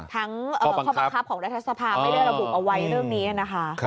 ข้อบังคับของรัฐสภาไม่ได้ระบุเอาไว้เรื่องนี้นะคะ